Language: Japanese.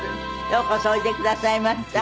ようこそおいでくださいました。